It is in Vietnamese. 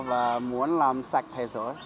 và muốn làm sạch thế giới